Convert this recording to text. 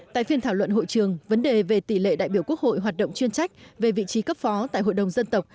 tại phiên thảo luận hội trường vấn đề về tỷ lệ đại biểu quốc hội hoạt động chuyên trách về vị trí cấp phó tại hội đồng dân tộc